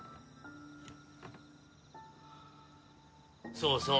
そうそう。